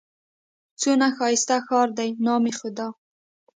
څونه ښايسته ښار دئ! نام خدا!